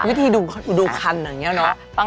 วิธีดูคันอย่างนี้เนอะ